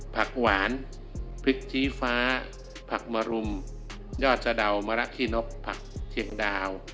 ผักหวานพริกชี้ฟ้าผักมะรุมยอดสะดาวมะระขี้นกผักเชียงดาว